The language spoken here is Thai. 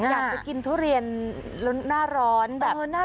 อยากจะกินทุเรียนหน้าร้อนแบบผู้ใหญ่